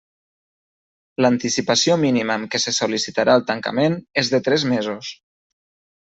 L'anticipació mínima amb què se sol·licitarà el tancament és de tres mesos.